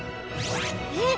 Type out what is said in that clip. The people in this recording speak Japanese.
えっ！？